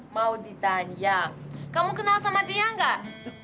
mau ditanya kamu kenal sama dia nggak